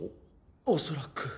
おそらく。